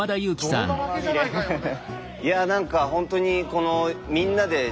泥だらけじゃないか山田裕貴。